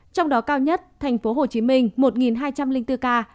trong đó cao nhất thành phố hồ chí minh một hai trăm linh bốn ca